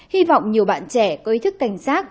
hy vọng nhiều bạn trẻ có ý thức cảnh sát